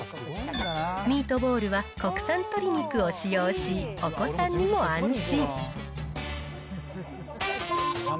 ミートボールは国産鶏肉を使用し、お子さんにも安心。